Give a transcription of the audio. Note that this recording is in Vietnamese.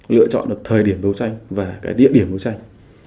lựa chọn được thời điểm đấu tranh và cái địa điểm đấu tranh